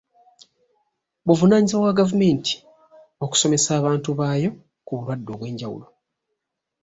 Buvunaanyizibwa bwa gavumenti okusomesa abantu baayo ku bulwadde obw'enjawulo.